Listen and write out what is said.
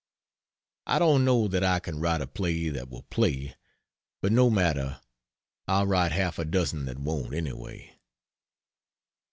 I don't know that I can write a play that will play: but no matter, I'll write half a dozen that won't, anyway.